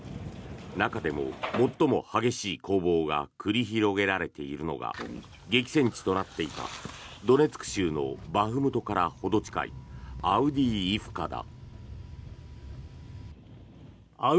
中でも最も激しい攻防が繰り広げられているのが激戦地となっていたドネツク州のバフムトからほど近いアウディイフカだ。